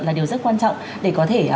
là điều rất quan trọng để có thể